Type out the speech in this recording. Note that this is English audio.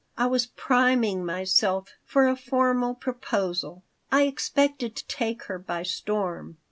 I was priming myself for a formal proposal. I expected to take her by storm.